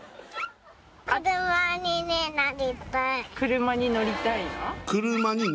車に乗りたいの？